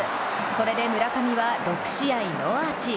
これで村上は６試合ノーアーチ。